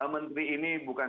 menteri ini bukan